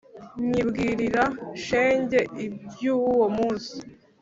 Nyibwirira shenge ibyuwo munsi